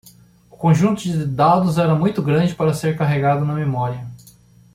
O conjunto de dados era muito grande para ser carregado na memória.